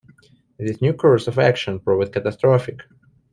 This new course of action proved catastrophic.